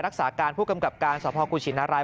รักษาการผู้กำกับการสภกุชินาราย